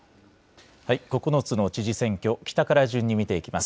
９つの知事選挙、北から順に見ていきます。